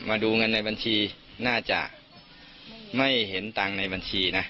มาดูเงินในบัญชีน่าจะไม่เห็นตังค์ในบัญชีนะ